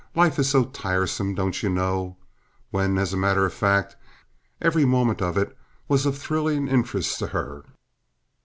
Life is so tiresome, don't you know," when, as a matter of fact, every moment of it was of thrilling interest to her.